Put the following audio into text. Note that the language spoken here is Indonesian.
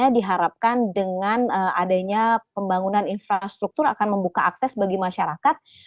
diharapkan dengan adanya pembangunan infrastruktur akan membuka akses bagi masyarakat